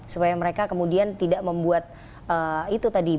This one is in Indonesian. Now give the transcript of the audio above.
supaya mereka kemudian tidak membuat itu tadi